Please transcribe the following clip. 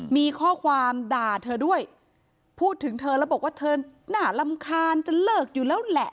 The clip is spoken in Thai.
มีข้อความด่าเธอด้วยพูดถึงเธอแล้วบอกว่าเธอน่ารำคาญจะเลิกอยู่แล้วแหละ